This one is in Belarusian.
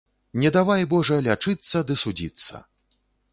Не давай, Божа, лячыцца ды судзіцца